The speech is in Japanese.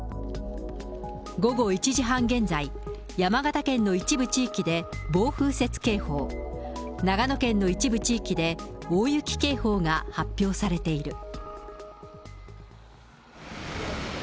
午後１時半現在、山形県の一部地域で暴風雪警報、長野県の一部地域で大雪警報が発表されている。